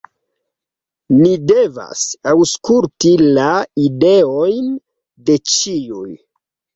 "Ni devas aŭskulti la ideojn de ĉiuj."